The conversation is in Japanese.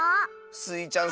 スイちゃん